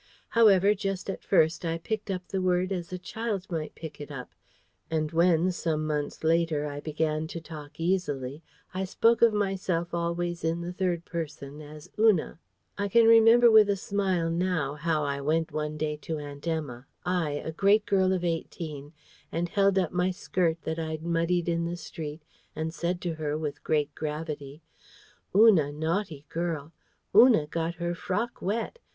However, just at first, I picked up the word as a child might pick it up; and when, some months later, I began to talk easily, I spoke of myself always in the third person as Una. I can remember with a smile now how I went one day to Aunt Emma I, a great girl of eighteen and held up my skirt, that I'd muddied in the street, and said to her, with great gravity: "Una naughty girl: Una got her frock wet.